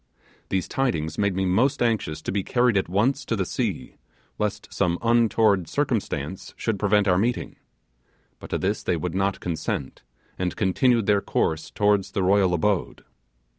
These tidings made me most anxious to be carried at once to the sea, lest some untoward circumstance should prevent our meeting; but to this they would not consent, and continued their course towards the royal abode.